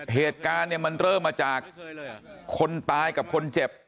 เหตุการณ์เนี่ยมันเริ่มมาจากคนตายกับคนเจ็บ